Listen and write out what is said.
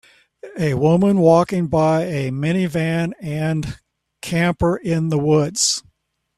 A woman walking by a minivan and camper in the woods